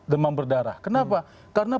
demam berdarah kenapa karena